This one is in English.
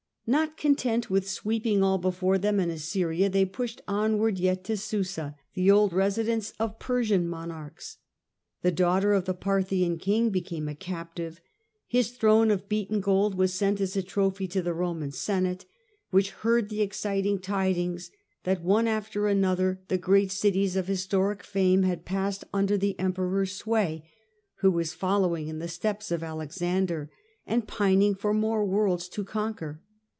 N ot content with sweeping all before them in Assyria, they pushed onward yet to Susa, the old residence of Persian monarchs. The daughter of the Parthian king became a captive ; his throne of beaten gold was sent as a trophy to the Roman Senate, which heard the exciting tidings that one after another the great cities of historic fame had passed under the Emperor's sway, who was following in the steps of Alex ander and pining for more worlds to conquer.